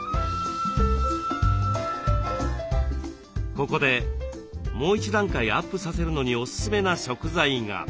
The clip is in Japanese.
ここでもう１段階アップさせるのにおすすめな食材が。